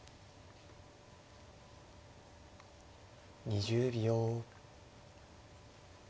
２０秒。